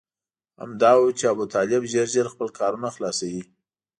همدا و چې ابوطالب ژر ژر خپل کارونه خلاصوي.